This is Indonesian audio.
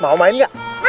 mau main gak